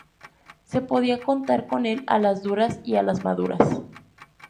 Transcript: Se podía contar con él a las duras y a las maduras